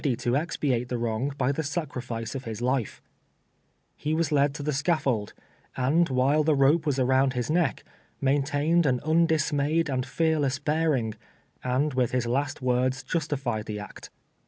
225 rciiily to expiate the wrong by the sacrifice of his life, lie was led to tlie scaffold, and while tlie roj^e was around his ncclc, maintained an undismayed and fearless bearing, and witli his last words justified the act.